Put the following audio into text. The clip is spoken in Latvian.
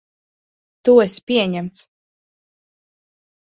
Tu esi pieņemts.